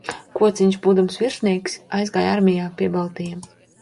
Kociņš, būdams virsnieks, aizgāja armijā pie baltajiem.